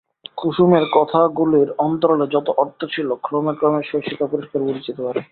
কুসুমের কথাগুলির অন্তরালে যত অর্থ ছিল ক্রমে ক্রমে শশী তা পরিষ্কার বুঝিতে পারে।